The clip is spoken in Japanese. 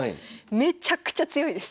めちゃくちゃ強いです。